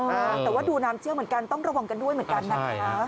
แต่ว่าดูน้ำเชี่ยวเหมือนกันต้องระวังกันด้วยเหมือนกันนะคะ